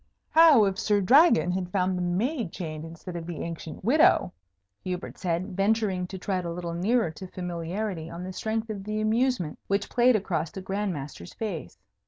"How if Sir Dragon had found the maid chained instead of the ancient widow?" Hubert said, venturing to tread a little nearer to familiarity on the strength of the amusement which played across the Grand Master's face.